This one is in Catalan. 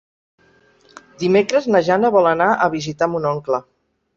Dimecres na Jana vol anar a visitar mon oncle.